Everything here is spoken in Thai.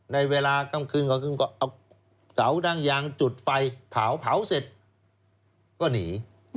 ในเวลากลางคืนก็เอาเสาดั้งยางจุดไฟเผาเผาเสร็จก็หนี